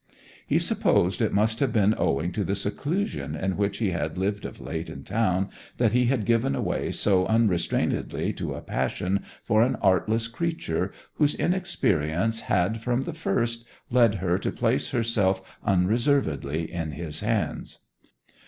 He supposed it must have been owing to the seclusion in which he had lived of late in town that he had given way so unrestrainedly to a passion for an artless creature whose inexperience had, from the first, led her to place herself unreservedly in his hands.